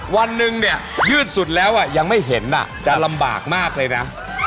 วันหนึ่งเนี่ยยืดสุดแล้วยังไม่เห็นจะลำบากมากเลยนะ